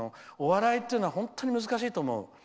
お笑いというのは本当に難しいと思う。